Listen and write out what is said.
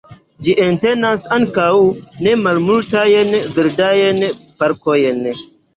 Gi entenas ankaŭ ne malmultajn verdajn parkojn.